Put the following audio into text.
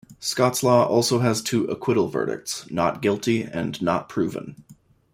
Scots law has two acquittal verdicts: "not guilty" and "not proven".